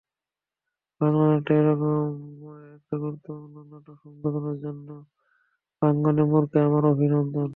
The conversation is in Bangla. বাংলা নাট্যে এইরকম একটা গুরুত্বপূর্ণ নাটক সংযোজনের জন্য প্রাঙ্গণেমোরকে আমার অভিনন্দন।